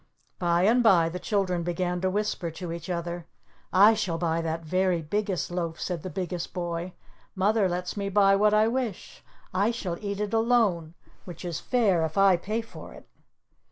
By and by the children began to whisper to each other. "I shall buy that very biggest loaf," said the Biggest Boy. "Mother lets me buy what I wish. I shall eat it alone, which is fair if I pay for it."